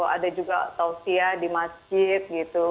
ada juga tausiyah di masjid gitu